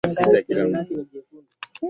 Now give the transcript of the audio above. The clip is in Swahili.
Napenda mwangaza